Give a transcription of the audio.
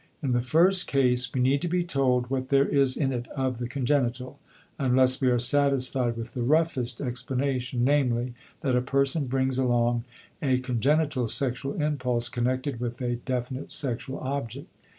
In the first case, we need to be told what there is in it of the congenital, unless we are satisfied with the roughest explanation, namely, that a person brings along a congenital sexual impulse connected with a definite sexual object.